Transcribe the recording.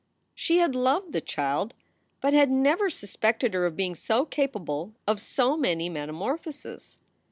She had loved the child, but had never suspected her of being so capable of so many metamorphoses.